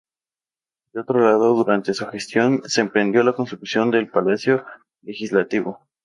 De otro lado, durante su gestión se emprendió la construcción del Palacio Legislativo.